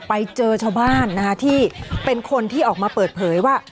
ไปเจอชาวบ้านนะคะที่เป็นคนที่ออกมาเปิดเผยว่า